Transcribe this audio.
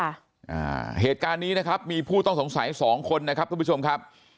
อ่าเหตุการณ์นี้นะครับมีผู้ต้องสงสัยสองคนนะครับทุกผู้ชมครับ